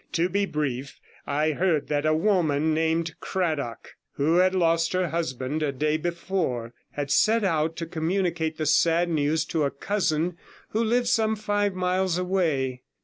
To be brief, I heard that a woman named Cradock, who had lost her husband a day before, had set out to communicate the sad news to a cousin who lived some five miles away.